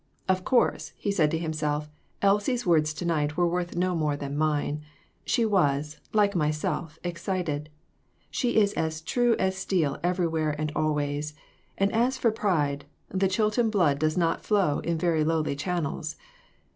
"Of course," he said to himself, "Elsie's words to night were worth no more than mine. She was, like myself, excited. She is as true as steel everywhere and always ; and as for pride, the Chilton blood does not flow in very lowly chan nels.